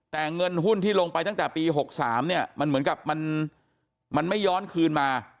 แต่เงินหุ้นที่ลงไปตั้งแต่ปี๖๓เนี่ยมันเหมือนกับมันไม่ย้อนคืนมา